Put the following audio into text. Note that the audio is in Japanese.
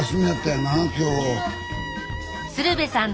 鶴瓶さん